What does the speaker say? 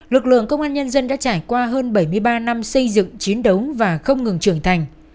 lực lượng công an nhân dân đã trải qua hơn bảy mươi ba năm xây dựng chiến đấu và không ngừng trưởng thành